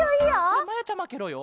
これまやちゃまケロよ。